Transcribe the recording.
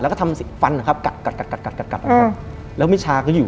แล้วก็ทำสิฟันอะครับกัดแล้วมิชาก็อยู่